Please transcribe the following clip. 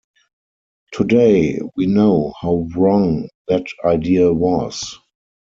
Today we know how wrong that idea was.